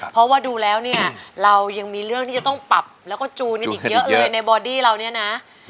เพราะว่าดูแล้วเนี่ยเรายังมีเรื่องที่จะต้องปรับแล้วก็จูนกันอีกเยอะเลยในบอดี้เราเนี่ยนะ